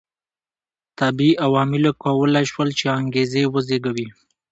طبیعي عواملو کولای شول چې انګېزې وزېږوي.